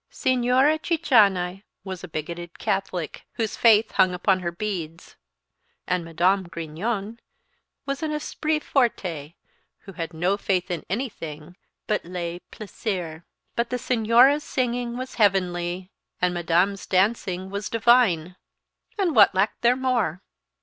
Signora Cicianai was a bigoted Catholic, whose faith hung upon her beads, and Madame Grignon was an esprit forte, who had no faith in anything but le plaisir. But the Signora's singing was heavenly, and Madame's dancing was divine, and what lacked there more?